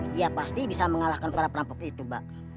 dia pasti bisa mengalahkan para perampok itu mbak